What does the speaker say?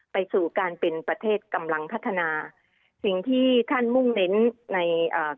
ไปสู่การเป็นประเทศกำลังพัฒนาสิ่งที่ท่านมุ่งเน้นในอ่า